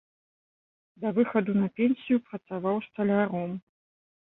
Да выхаду на пенсію працаваў сталяром.